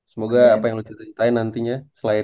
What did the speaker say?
semoga apa yang lu ceritain nantinya